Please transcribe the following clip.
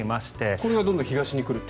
これがどんどん東に来ると。